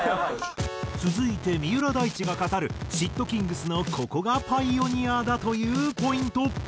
続いて三浦大知が語るｓ＊＊ｔｋｉｎｇｚのココがパイオニアだというポイント。